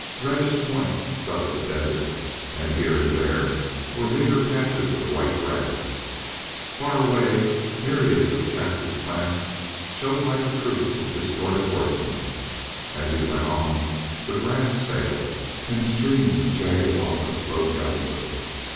Reddish points studded the desert, and here and there were meagre patches of white grass. Far away myriads of cactus plants showed like a troop of distorted horsemen. As he went on the grass failed, and streams of jagged lava flowed downward.